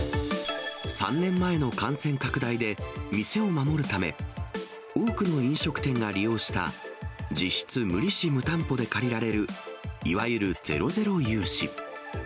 ３年前の感染拡大で、店を守るため、多くの飲食店が利用した、実質、無利子無担保で借りられる、いわゆるゼロゼロ融資。